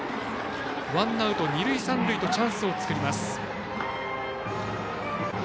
ワンアウト二塁三塁とチャンスを作ります。